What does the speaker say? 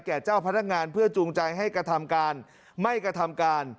เจ้าพนักงานเพื่อจูงใจให้กระทำการไม่กระทำการ